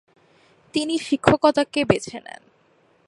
তিনি শিক্ষকতাকে বেছে নেন।